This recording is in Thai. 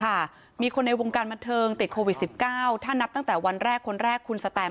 ค่ะมีคนในวงการบันเทิงติดโควิดสิบเก้าถ้านับตั้งแต่วันแรกคนแรกคุณสแตม